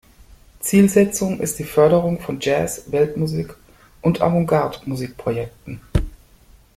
Zielsetzung ist die Förderung von Jazz, Weltmusik und Avantgarde-Musikprojekten.